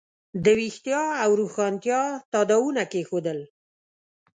د ویښتیا او روښانتیا تاداوونه کېښودل.